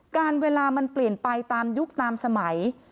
เวลามันเปลี่ยนไปตามยุคตามสมัย